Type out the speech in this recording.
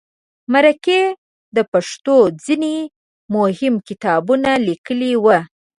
مرکې د پښتو ځینې مهم کتابونه لیکلي وو.